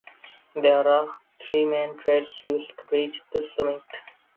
There are three main trails used to reach the summit.